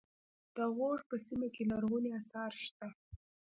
د غور په سیمه کې لرغوني اثار شته